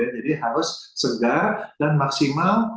jadi harus segar dan maksimal